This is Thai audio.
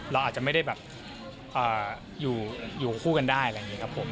เราอาจจะไม่ได้แบบอยู่คู่กันได้อะไรอย่างนี้ครับผม